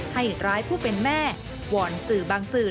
ให้ร้ายผู้เป็นแม่วอนสื่อบางสื่อ